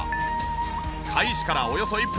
開始からおよそ１分。